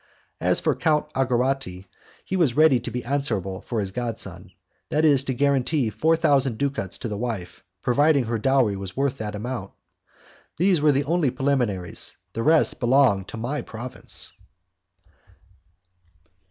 As for Count Algarotti, he was ready to be answerable for his god son, that is to guarantee four thousand ducats to the wife, provided her dowry was worth that amount. Those were only the preliminaries; the rest belonged to my province.